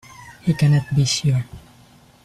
He cannot be sure.